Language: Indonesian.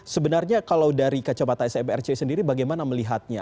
sebenarnya kalau dari kacabata sbrc sendiri bagaimana melihatnya